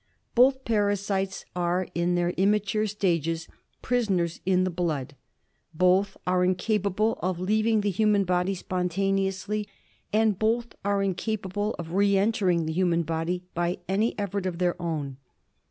(Both parasites are in their immature stages prisoners in the blood.J(Both are incap able of leaving the human body spontaneously, and both are incapable of re entering the human body by any effort of their own.